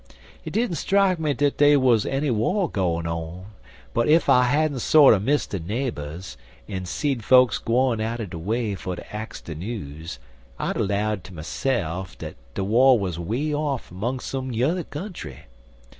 Hit didn't strike me dat dey wuz enny war gwine on, en ef I hadn't sorter miss de nabers, en seed fokes gwine outer de way fer ter ax de news, I'd a 'lowed ter myse'f dat de war wuz 'way off 'mong some yuther country.